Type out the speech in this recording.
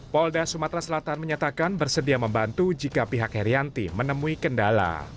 polda sumatera selatan menyatakan bersedia membantu jika pihak herianti menemui kendala